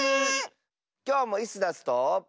きょうもイスダスと。